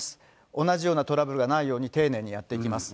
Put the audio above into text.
同じようなトラブルがないように、丁寧にやっていきます。